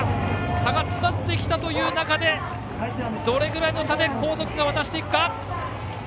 差が詰まってきたという中でどれぐらいの差で後続が渡していくか。